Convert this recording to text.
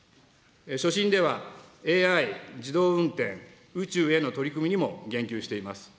所信では、ＡＩ、自動運転、宇宙への取り組みにも言及しています。